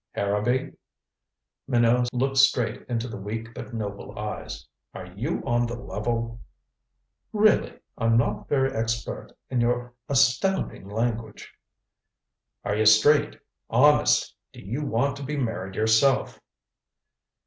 "Harrowby" Minot looked straight into the weak, but noble eyes "are you on the level?" "Really I'm not very expert in your astounding language " "Are you straight honest do you want to be married yourself?"